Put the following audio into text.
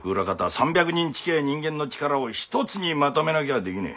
３００人近え人間の力を一つにまとめなきゃできねえ。